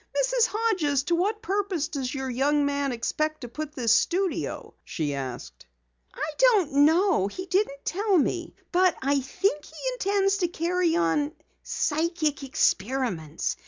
"Mrs. Hodges, to what purpose does your young man expect to put this studio?" she asked. "I don't know. He didn't tell me. But I think he intends to carry on psychic experiments.